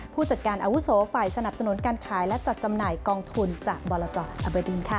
ผู้จัดการอาวุโสฝ่ายสนับสนุนการขายและจัดจำหน่ายกองทุนจากบรจอบดินค่ะ